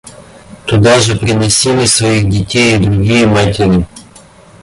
Туда же приносили своих детей и другие матери.